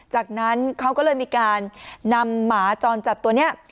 จากนั้นเขาก็เลยมีการนำหมาจรจัดตัวนี้